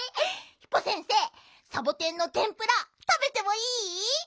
ヒポ先生サボテンのてんぷらたべてもいい？